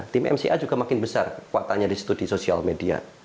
tim mca juga makin besar kekuatannya di situ di sosial media